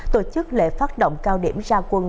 tổ chức lễ phát động cao điểm ra quân